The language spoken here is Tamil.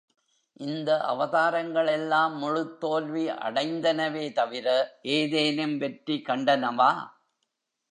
இந்த அவதாரங்கள் எல்லாம் முழுத் தோல்வி அடைந்தனவே தவிர, ஏதேனும் வெற்றி கண்டனவா?